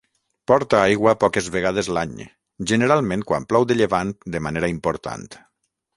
Porta aigua poques vegades l'any, generalment quan plou de llevant de manera important.